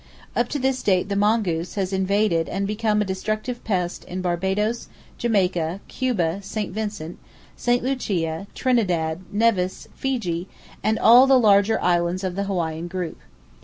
Up to this date, the mongoose has invaded and become a destructive pest in Barbadoes, Jamaica, Cuba, St. Vincent, St. Lucia, Trinidad, Nevis, Fiji and all the larger islands of the Hawaiian group.